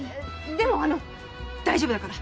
でもあの大丈夫だから。